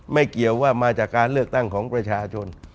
เกี่ยวว่ามาจากการเลือกตั้งของประชาชน